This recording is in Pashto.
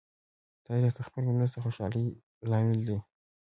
تاریخ د خپل ولس د خوشالۍ لامل دی.